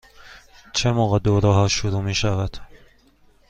چه موقع دوره ها شروع می شود؟